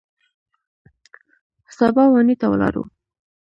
سبا واڼې ته ولاړو.